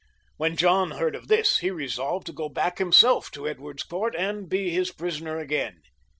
When John heard of this he resolved to go back himself to Edward's court and be his prisoner again.